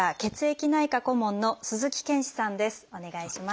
お願いします。